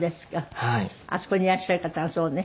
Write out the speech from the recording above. あそこにいらっしゃる方がそうね。